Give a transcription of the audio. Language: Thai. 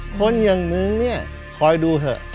คนอย่างนึงเนี่ยคอยดูเถอะ